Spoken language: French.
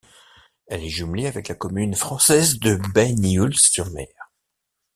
Elle est jumelée avec la commune française de Banyuls-sur-Mer.